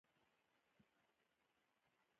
نه پوهېږم څومره د ګونډو ویښتان غورځېدلي وي.